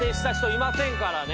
いませんからね。